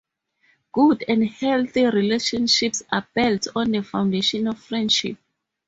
Good and healthy relationships are built on the foundation of friendship.